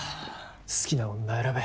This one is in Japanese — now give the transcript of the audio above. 好きな女選べ。